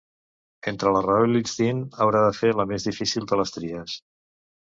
Entre la raó i l'instint, haurà de fer la més difícil de les tries.